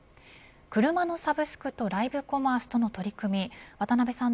車のサブスクとライブコマースとの取り組み渡辺さん